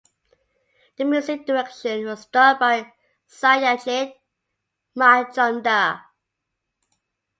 The music direction was done by Satyajit Majumdar.